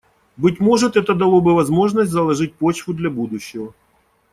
Быть может, это дало бы возможность заложить почву для будущего.